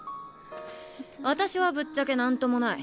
私はぶっちゃけなんともない。